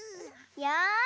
よし！